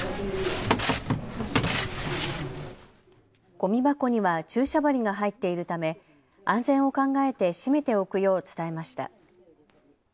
ごみ箱には注射針が入っているため安全を考えて閉めておくよう伝えました。